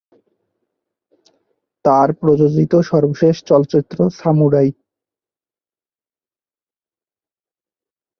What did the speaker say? তার প্রযোজিত সর্বশেষ চলচ্চিত্র "সামুরাই"।